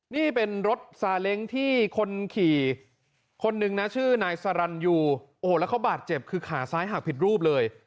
นี่เป็นรถซาเล้งที่คนขี่คนหนึ่งนะชื่อนายสรรยูโอ้โหแล้วเขาบาดเจ็บคือขาซ้ายหักผิดรูปเลย